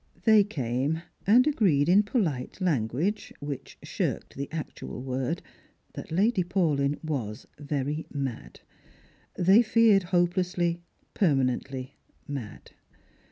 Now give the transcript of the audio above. They came, and agreed in polite language, which shirked the actual word, that Lady Paulyn was very mad; they feared hopelessly, permanently mad.